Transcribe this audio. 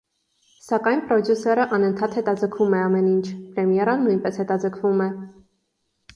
Սակայն պրոդյուսերը անընդհատ հետաձգում է ամեն ինչ, պրեմիերան նույնպես հետաձգվում է։